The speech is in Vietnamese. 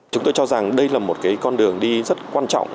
chúng tôi cho rằng đây là một con đường đi rất quan trọng